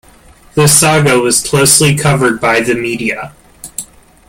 The saga was closely covered by the media.